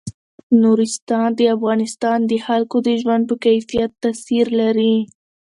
نورستان د افغانستان د خلکو د ژوند په کیفیت تاثیر لري.